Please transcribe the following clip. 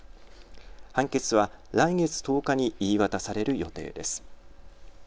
判決は来月１０日に言い渡される予定です。